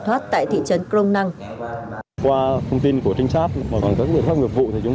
thoát tại thị trấn crong nang qua thông tin của trinh sát và bản thân về các nghiệp vụ thì chúng